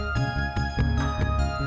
si diego udah mandi